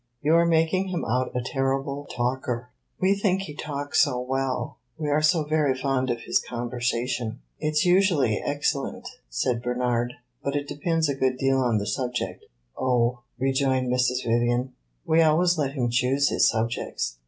"You are making him out a terrible talker!" "We think he talks so well we are so very fond of his conversation." "It 's usually excellent," said Bernard. "But it depends a good deal on the subject." "Oh," rejoined Mrs. Vivian, "we always let him choose his subjects."